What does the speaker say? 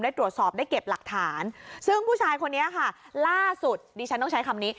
ได้ตรวจสอบได้เก็บหลักฐานซึ่งผู้ชายคนนี้ค่ะล่าสุดดิฉันต้องใช้คำนี้